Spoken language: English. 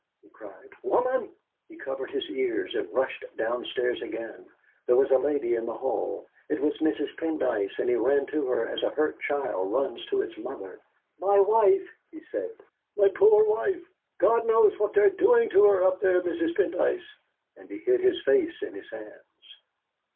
he cried "woman!" He covered his ears and rushed downstairs again. There was a lady in the hall. It was Mrs. Pendyce, and he ran to her, as a hurt child runs to its mother. "My wife," he said "my poor wife! God knows what they're doing to her up there, Mrs. Pendyce!" and he hid his face in his hands.